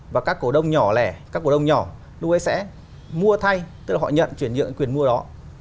và các cổ đông nhỏ lẻ các cổ đông nhỏ luôn sẽ mua thay tức là họ nhận chuyển nhượng cái quyền mua đó